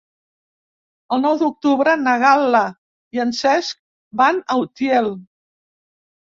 El nou d'octubre na Gal·la i en Cesc van a Utiel.